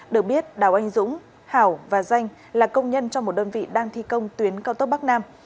được biết đào anh dũng hảo và danh là công nhân trong một đơn vị đang thi công tuyến cao tốc bắc nam